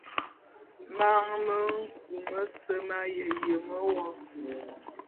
Man me nku mese m'aye yeme wo.